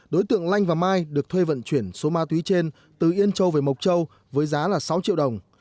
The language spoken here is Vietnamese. đối tượng lanh và mai được thuê vận chuyển số ma túy trên từ yên châu về mộc châu với giá là sáu triệu đồng